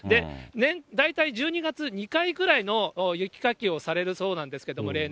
大体１２月、２回ぐらいの雪かきをされるそうなんですけど、例年。